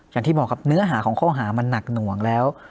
อย่างที่บอกครับเนื้อหาของข้อหามันหนักหน่วงแล้ว